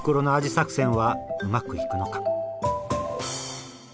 作戦はうまくいくのか？